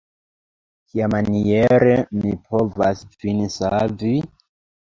Kiamaniere mi povas vin savi?